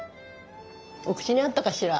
お口に合ったかしら？